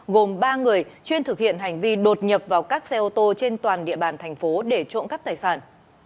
gồm ba người chuyên thực hiện hành vi đột nhập vào các xe ô tô trên toàn địa bàn tp hcm để trộn các tài sản